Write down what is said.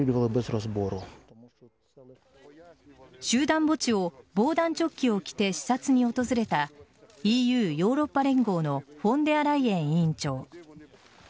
集団墓地を防弾チョッキを着て視察に訪れたＥＵ＝ヨーロッパ連合のフォンデアライエン委員長。